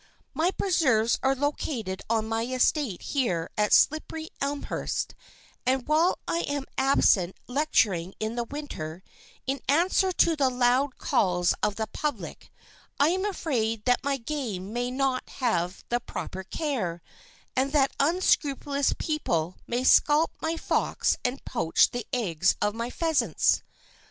My preserves are located on my estate here at Slipperyelmhurst, and while I am absent lecturing in the winter, in answer to the loud calls of the public, I am afraid that my game may not have the proper care, and that unscrupulous people may scalp my fox and poach the eggs of my pheasants.